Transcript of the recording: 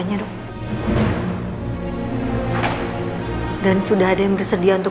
kita adalah debat keseluruhan berhati hatian